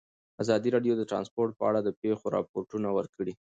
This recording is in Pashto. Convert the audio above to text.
ازادي راډیو د ترانسپورټ په اړه د پېښو رپوټونه ورکړي.